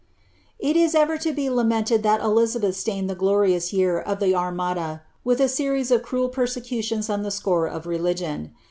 It is ever to be lamented that Elizabeth stained the glorious year ci the Armada with a series of cniel persecutions on the score of reliji"!: .